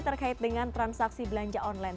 terkait dengan transaksi belanja online